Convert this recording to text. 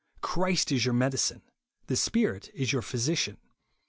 Christ is your medicine, the Spirit is your physician.